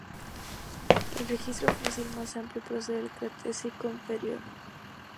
El registro fósil más amplio procede del Cretácico Inferior.